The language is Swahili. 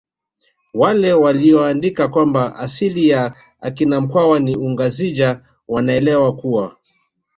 Wale waliyoandika kwamba asili ya akina mkwawa ni ungazija wanaeleza kuwa